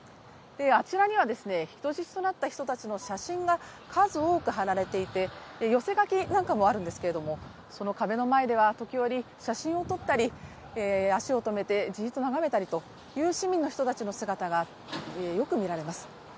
あちらには人質となった人たちの写真が数多く貼られていて寄せ書きなんかもあるんですけど、その壁の前では時折写真を撮ったり、足を止めてじっと眺めたりする市民の姿がよく見られます。